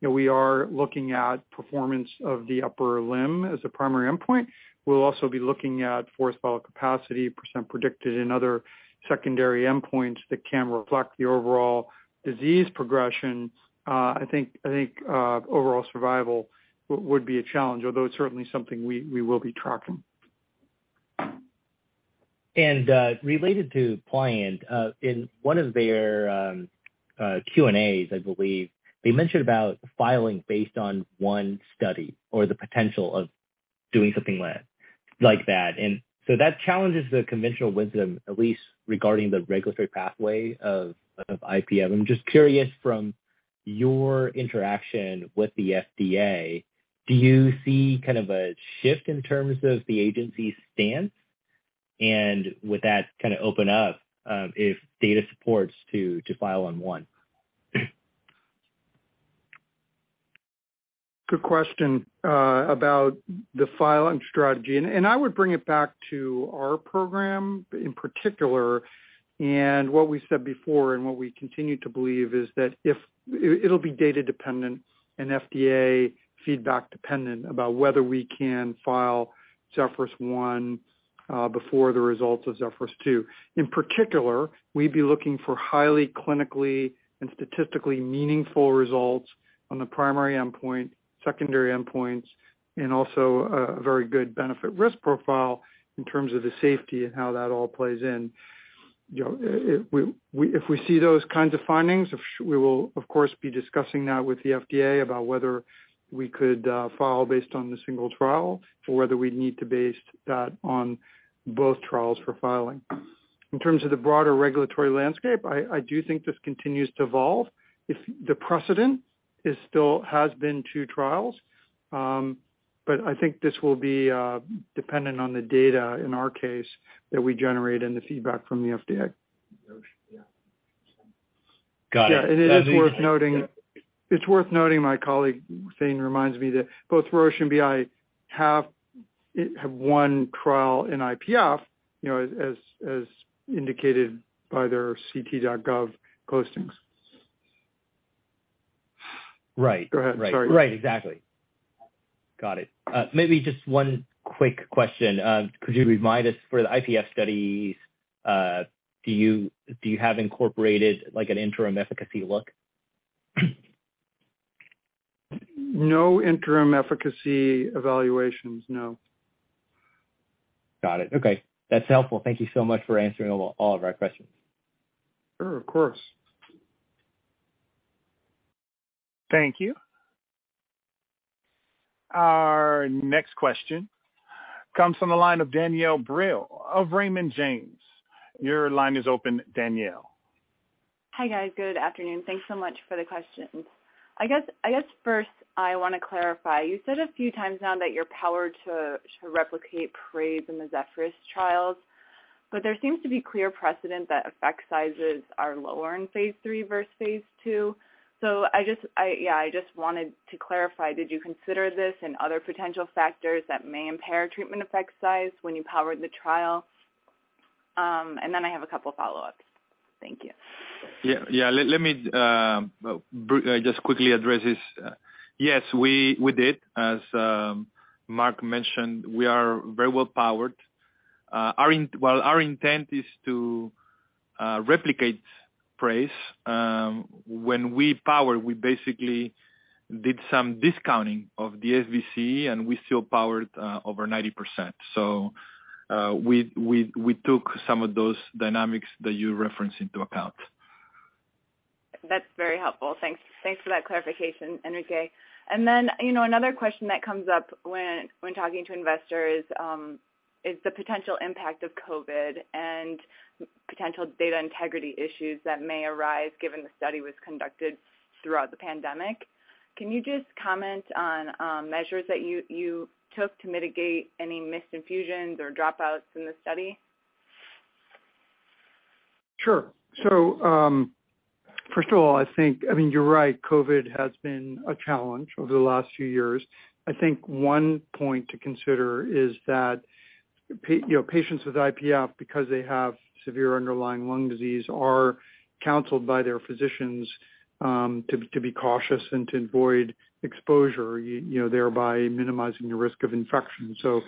You know, we are looking at Performance of Upper Limb as a primary endpoint. We'll also be looking at forced vital capacity, % predicted in other secondary endpoints that can reflect the overall disease progression. I think, overall survival would be a challenge, although it's certainly something we will be tracking. related to I-Mab, in one of their Q&As, I believe they mentioned about filing based on one study or the potential of doing something like that. That challenges the conventional wisdom, at least regarding the regulatory pathway of IPF. I'm just curious from your interaction with the FDA, do you see kind of a shift in terms of the agency's stance? Would that kinda open up, if data supports to file on one? Good question about the filing strategy. I would bring it back to our program in particular, and what we said before and what we continue to believe is that it'll be data dependent and FDA feedback dependent about whether we can file ZEPHYRUS-1 before the results of ZEPHYRUS-2. In particular, we'd be looking for highly clinically and statistically meaningful results on the primary endpoint, secondary endpoints, and also a very good benefit risk profile in terms of the safety and how that all plays in. You know, if we see those kinds of findings, we will of course, be discussing that with the FDA about whether we could file based on the single trial or whether we'd need to base that on both trials for filing. In terms of the broader regulatory landscape, I do think this continues to evolve. If the precedent is still has been two trials, but I think this will be dependent on the data in our case that we generate and the feedback from the FDA. Got it. Yeah. It's worth noting, my colleague saying reminds me that both Roche and Boehringer Ingelheim have one trial in IPF, you know, as indicated by their ct.gov postings. Right. Go ahead. Sorry. Right. Right. Exactly. Got it. Maybe just one quick question. Could you remind us for the IPF studies, do you have incorporated like an interim efficacy look? No interim efficacy evaluations, no. Got it. Okay. That's helpful. Thank you so much for answering all of our questions. Sure, of course. Thank you. Our next question comes from the line of Danielle Brill of Raymond James. Your line is open, Danielle. Hi, guys. Good afternoon. Thanks so much for the questions. I guess first I wanna clarify, you said a few times now that you're powered to replicate PRAISE in the ZEPHYRUS trials, but there seems to be clear precedent that effect sizes are lower in phase three versus phase two. I just wanted to clarify, did you consider this in other potential factors that may impair treatment effect size when you powered the trial? Then I have a couple follow-ups. Thank you. Yeah. Yeah. Let me just quickly address this. Yes, we did. As Mark mentioned, we are very well powered. While our intent is to replicate PRAISE, when we power, we basically did some discounting of the SVC, and we still powered over 90%. We took some of those dynamics that you reference into account. That's very helpful. Thanks. Thanks for that clarification, Enrique. You know, another question that comes up when talking to investors, is the potential impact of COVID and potential data integrity issues that may arise given the study was conducted throughout the pandemic. Can you just comment on, measures that you took to mitigate any missed infusions or dropouts in the study? Sure. First of all, I think, I mean, you're right, COVID has been a challenge over the last few years. I think one point to consider is that you know, patients with IPF because they have severe underlying lung disease, are counseled by their physicians, to be cautious and to avoid exposure, you know, thereby minimizing the risk of infection. You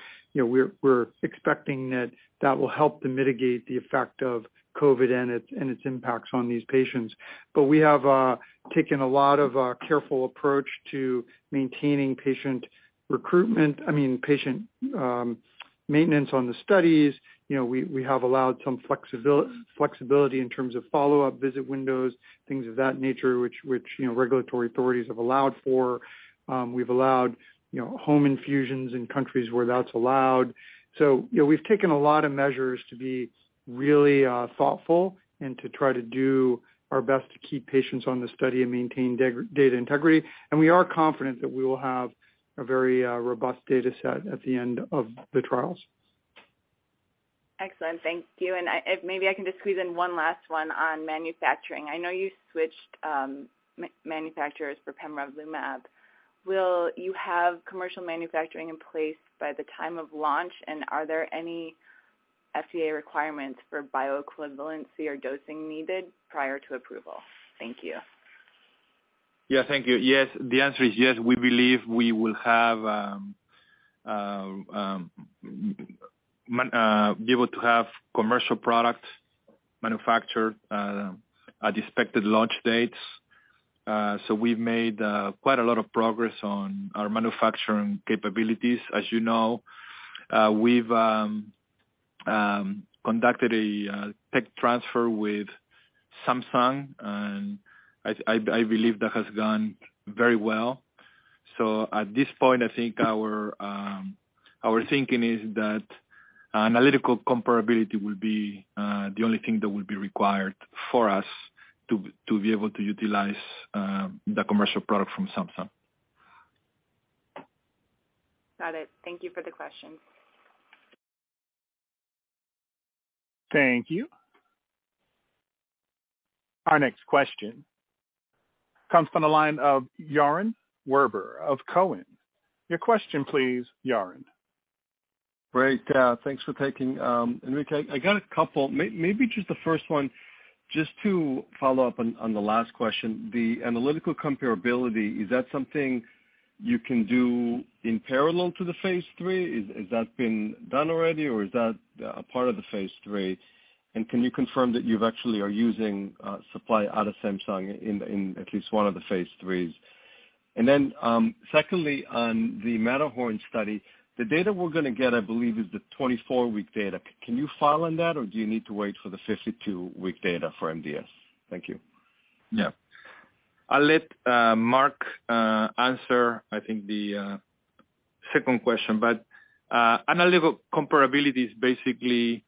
know, we're expecting that that will help to mitigate the effect of COVID and its impacts on these patients. We have taken a lot of careful approach to maintaining patient recruitment. I mean, patient maintenance on the studies. You know, we have allowed some flexiBoehringer Ingelheimlity in terms of follow-up visit windows, things of that nature, which, you know, regulatory authorities have allowed for. We've allowed, you know, home infusions in countries where that's allowed. You know, we've taken a lot of measures to be really thoughtful and to try to do our best to keep patients on the study and maintain data integrity. We are confident that we will have a very robust data set at the end of the trials. Excellent. Thank you. If maybe I can just squeeze in one last one on manufacturing. I know you switched manufacturers for pamrevlumab. Will you have commercial manufacturing in place by the time of launch, and are there any FDA requirements for Boehringer Ingelheimoequivalency or dosing needed prior to approval? Thank you. Yes. Thank you. Yes. The answer is yes, we believe we will have be able to have commercial product manufactured at expected launch dates. We've made quite a lot of progress on our manufacturing capaBoehringer Ingelheimlities. As you know, we've conducted a tech transfer with Samsung Biologics, and I believe that has gone very well. At this point, I think our thinking is that analytical comparaBoehringer Ingelheimlity will be the only thing that will be required for us to be able to utilize the commercial product from Samsung. Got it. Thank you for the question. Thank you. Our next question comes from the line of Yaron Werber of TD Cowen. Your question please, Yaron. Great. Thanks for taking, Enrique. I got a couple. Maybe just the first one, just to follow up on the last question, the analytical comparaBoehringer Ingelheimlity, is that something you can do in parallel to the phase III? Has that been done already, or is that a part of the phase III? Can you confirm that you've actually are using supply out of Samsung in at least one of the phase IIIs? Then, secondly, on the MATTERHORN study, the data we're going to get, I believe, is the 24-week data. Can you file on that, or do you need to wait for the 52-week data for MDS? Thank you. I'll let Mark answer I think the second question, but analytical comparaBoehringer Ingelheimlity is basically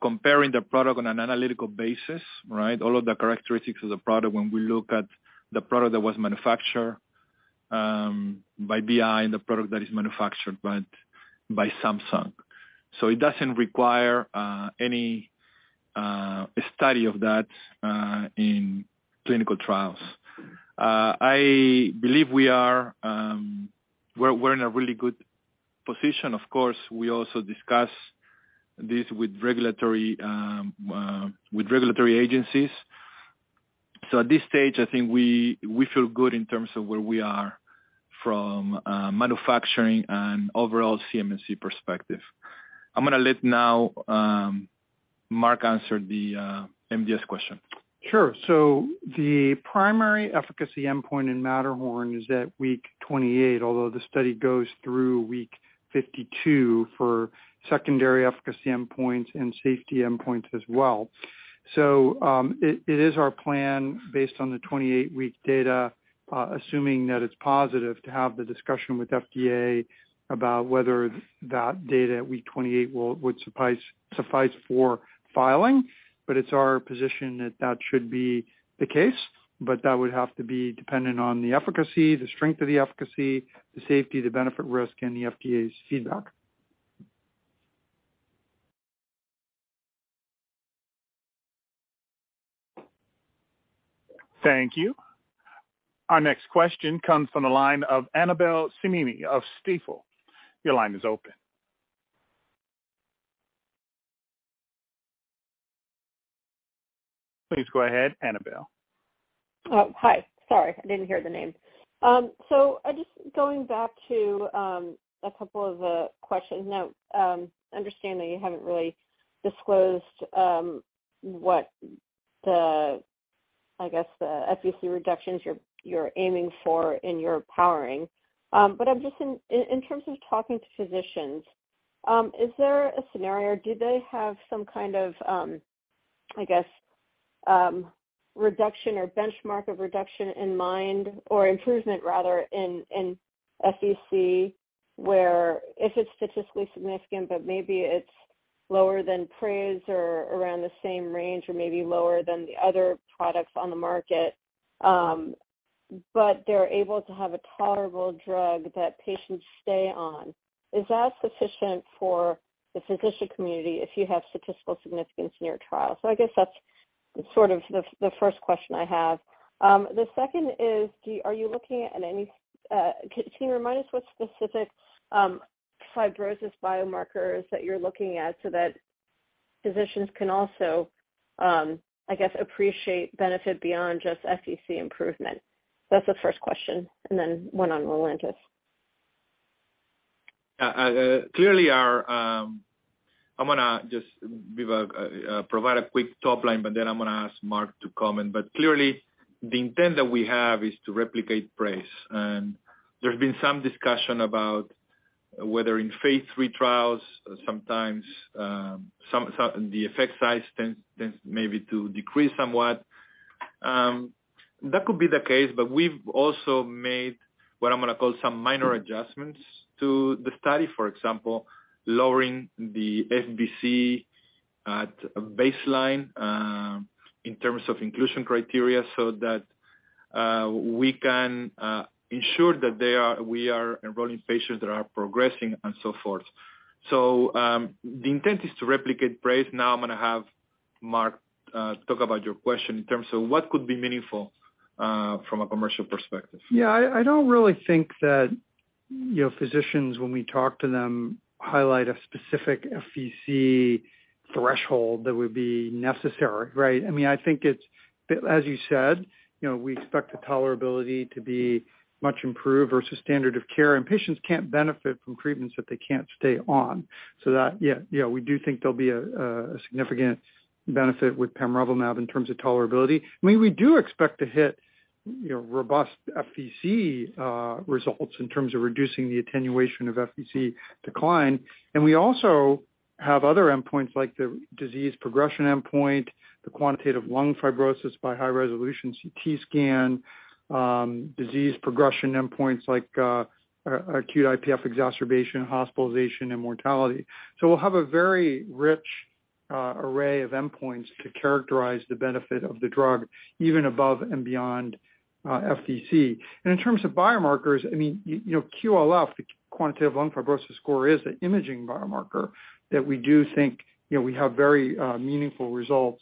comparing the product on an analytical basis, right? All of the characteristics of the product when we look at the product that was manufactured by Boehringer Ingelheim and the product that is manufactured by Samsung. It doesn't require any study of that in clinical trials. I believe we're in a really good position. Of course, we also discuss this with regulatory agencies. At this stage, I think we feel good in terms of where we are from manufacturing and overall CMC perspective. I'm gonna let now Mark answer the MDS question. Sure. The primary efficacy endpoint in MATTERHORN is at week 28, although the study goes through week 52 for secondary efficacy endpoints and safety endpoints as well. It is our plan based on the 28-week data, assuming that it's positive to have the discussion with FDA about whether that data at week 28 would suffice for filing. It's our position that that should be the case, but that would have to be dependent on the efficacy, the strength of the efficacy, the safety, the benefit risk, and the FDA's feedback. Thank you. Our next question comes from the line of Annabel Samimy of Stifel. Your line is open. Please go ahead, Annabel. Oh, hi. Sorry, I didn't hear the name. I just going back to a couple of the questions. Now, understand that you haven't really disclosed, what the, I guess the FVC reductions you're aiming for in your powering. I'm just in terms of talking to physicians, is there a scenario, do they have some kind of, I guess, reduction or benchmark of reduction in mind or improvement rather in FVC where if it's statistically significant, but maybe it's lower than PRAISE or around the same range or maybe lower than the other products on the market, but they're able to have a tolerable drug that patients stay on? Is that sufficient for the physician community if you have statistical significance in your trial? I guess that's sort of the first question I have. The second is, are you looking at any, can you remind us what specific, fibrosis Boehringer Ingelheimomarkers that you're looking at so that physicians can also, I guess, appreciate benefit beyond just FVC improvement? That's the first question, and then one on ROLENTIS. Clearly our, I'm gonna just provide a quick top line, but then I'm gonna ask Mark to comment. Clearly, the intent that we have is to replicate PRAISE. There's been some discussion about whether in phase III trials, sometimes, some the effect size tends maybe to decrease somewhat. That could be the case, but we've also made what I'm gonna call some minor adjustments to the study. For example, lowering the FVC at baseline, in terms of inclusion criteria so that we can ensure that we are enrolling patients that are progressing and so forth. The intent is to replicate PRAISE. I'm gonna have Mark talk about your question in terms of what could be meaningful from a commercial perspective. Yeah. I don't really think that, you know, physicians, when we talk to them, highlight a specific FVC threshold that would be necessary, right? I mean, I think it's, as you said, you know, we expect the toleraBoehringer Ingelheimlity to be much improved versus standard of care, and patients can't benefit from treatments that they can't stay on. We do think there'll be a significant benefit with pamrevlumab in terms of toleraBoehringer Ingelheimlity. I mean, we do expect to hit, you know, robust FVC results in terms of reducing the attenuation of FVC decline. We also have other endpoints like the disease progression endpoint, the quantitative lung fibrosis by high resolution CT scan, disease progression endpoints like acute IPF exacerbation, hospitalization, and mortality. We'll have a very rich array of endpoints to characterize the benefit of the drug, even above and beyond FVC. In terms of Boehringer Ingelheimomarkers, I mean, you know, QLF, the quantitative lung fibrosis score, is an imaging Boehringer Ingelheimomarker that we do think, you know, we have very meaningful results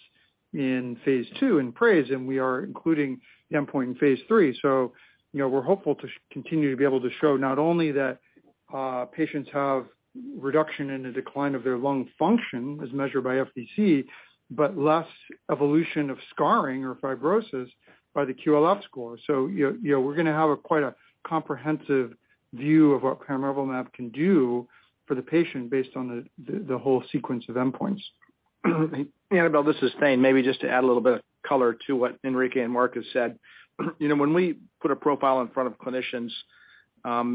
in phase II, in PRAISE, and we are including the endpoint in phase III. You know, we're hopeful to continue to be able to show not only that patients have reduction in the decline of their lung function as measured by FVC, but less evolution of scarring or fibrosis by the QLF score. You know, we're going to have a quite a comprehensive view of what pamrevlumab can do for the patient based on the whole sequence of endpoints. Annabel, this is Thane. Maybe just to add a little Boehringer Ingelheimt of color to what Enrique and Mark have said. You know, when we put a profile in front of clinicians,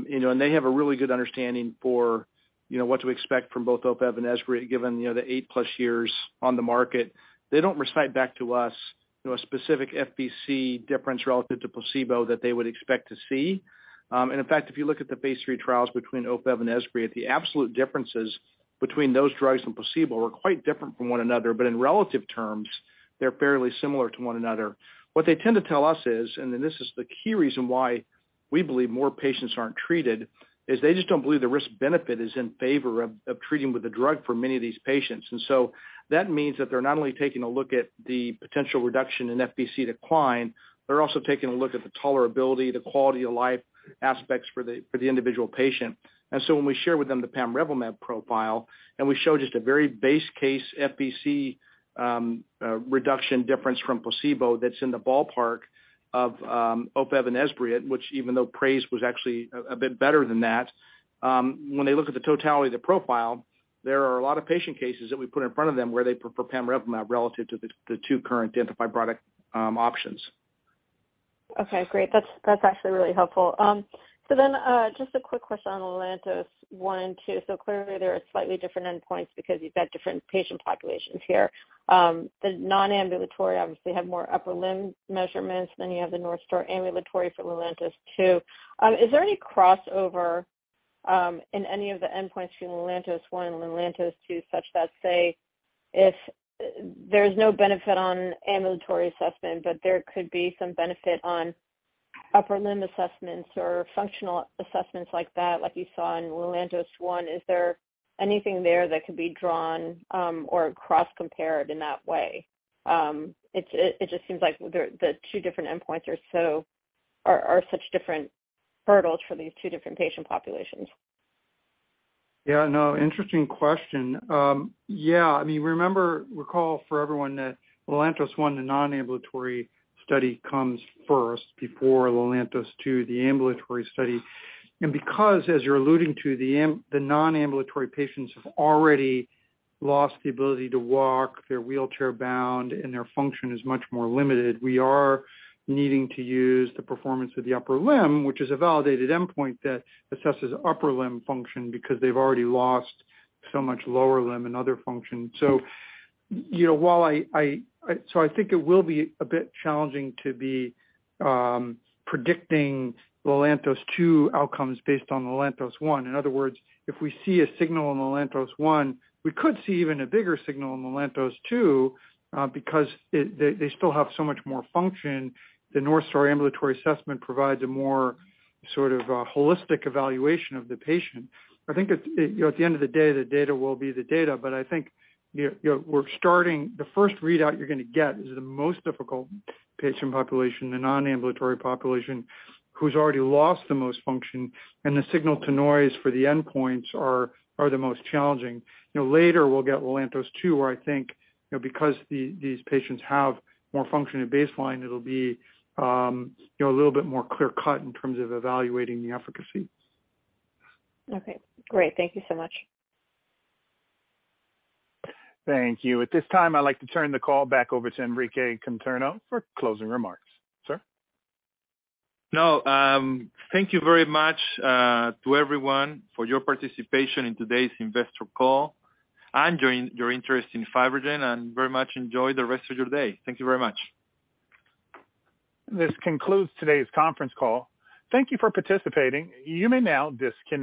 you know, and they have a really good understanding for, you know, what to expect from both Ofev and Esbriet, given, you know, the 8+ years on the market, they don't recite back to us, you know, a specific FVC difference relative to placebo that they would expect to see. In fact, if you look at the phase III trials between Ofev and Esbriet, the absolute differences between those drugs and placebo are quite different from one another. In relative terms, they're fairly similar to one another. What they tend to tell us is, this is the key reason why we believe more patients aren't treated, is they just don't believe the risk-benefit is in favor of treating with the drug for many of these patients. That means that they're not only taking a look at the potential reduction in FVC decline, they're also taking a look at the toleraBoehringer Ingelheimlity, the quality of life aspects for the individual patient. When we share with them the pamrevlumab profile, and we show just a very base case FVC reduction difference from placebo that's in the ballpark of Ofev and Esbriet, which even though PRAISE was actually a Boehringer Ingelheimt better than that, when they look at the totality of the profile, there are a lot of patient cases that we put in front of them where they prefer pamrevlumab relative to the two current identified product options. Okay, great. That's actually really helpful. Just a quick question on LELANTOS-1 and -2. Clearly there are slightly different endpoints because you've got different patient populations here. The non-ambulatory obviously have more upper limb measurements than you have the NorthStar Ambulatory Assessment for LELANTOS-2. Is there any crossover in any of the endpoints between LELANTOS-1 and LELANTOS-2, such that, say, if there's no benefit on ambulatory assessment, but there could be some benefit on upper limb assessments or functional assessments like that, like you saw in LELANTOS-1, is there anything there that could be drawn or cross-compared in that way? It just seems like the two different endpoints are such different hurdles for these two different patient populations. Yeah, no. Interesting question. Yeah. I mean, remember, recall for everyone that LELANTOS-1, the non-ambulatory study comes first before LELANTOS-2, the ambulatory study. Because, as you're alluding to, the non-ambulatory patients have already lost the aBoehringer Ingelheimlity to walk, they're wheelchair-bound, and their function is much more limited, we are needing to use the Performance of Upper Limb, which is a validated endpoint that assesses upper limb function because they've already lost so much lower limb and other function. You know, while I think it will be a Boehringer Ingelheimt challenging to be predicting LELANTOS-2 outcomes based on LELANTOS-1. In other words, if we see a signal in LELANTOS-1, we could see even a Boehringer Ingelheimgger signal in LELANTOS-2, because they still have so much more function. The NorthStar Ambulatory Assessment provides a more sort of a holistic evaluation of the patient. I think at, you know, at the end of the day, the data will be the data, but I think, you know, we're starting. The first readout you're gonna get is the most difficult patient population, the non-ambulatory population, who's already lost the most function, and the signal to noise for the endpoints are the most challenging. You know, later we'll get LELANTOS-2, where I think, you know, because these patients have more function at baseline, it'll be, you know, a little Boehringer Ingelheimt more clear cut in terms of evaluating the efficacy. Okay, great. Thank Thank you so much. Thank you. At this time, I'd like to turn the call back over to Enrique Conterno for closing remarks. Sir? Thank you very much, to everyone for your participation in today's investor call and your interest in FibroGen. Very much enjoy the rest of your day. Thank you very much. This concludes today's conference call. Thank You for participating. You may now disconnect.